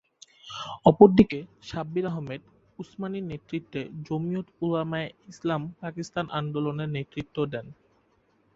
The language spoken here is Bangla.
অপরদিকে শাব্বির আহমদ উসমানির নেতৃত্বে জমিয়ত উলামায়ে ইসলাম পাকিস্তান আন্দোলনে নেতৃত্ব দেন।